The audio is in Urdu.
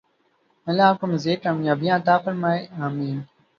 الله آپکو مزید کامیابیاں عطا فرمائے ۔آمین